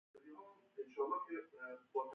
تاریخ د افغانستان د اقتصادي منابعو ارزښت زیاتوي.